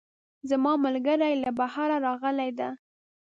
زما ملګرۍ له بهره راغلی ده